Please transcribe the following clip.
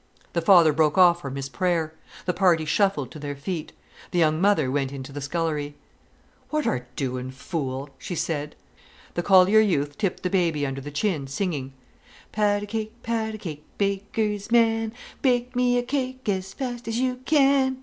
The father broke off from his prayer; the party shuffled to their feet. The young mother went into the scullery. "What art doin', fool?" she said. The collier youth tipped the baby under the chin, singing: "Pat a cake, pat a cake, baker's man, Bake me a cake as fast as you can...."